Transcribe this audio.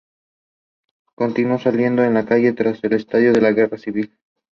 Continuó saliendo a la calle tras el estallido de la Guerra civil.